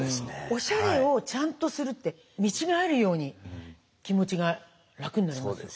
おしゃれをちゃんとするって見違えるように気持ちが楽になりますよ。